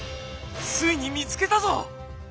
ついに見つけたぞ！